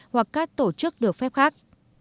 hoặc các tổ chức được phép khác